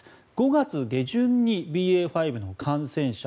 ５月下旬にＢＡ．５の感染者